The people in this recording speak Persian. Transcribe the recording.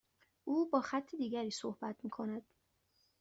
او با خط دیگری صحبت میکند.